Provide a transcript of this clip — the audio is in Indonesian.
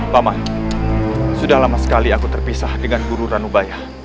paman sudah lama sekali aku terpisah dengan guru ranubaya